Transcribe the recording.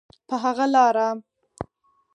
په هغه لاره.